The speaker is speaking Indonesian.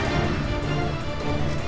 jangan pak landung